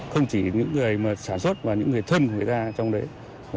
không chỉ những người sản xuất mà những người thân của người ta trong đấy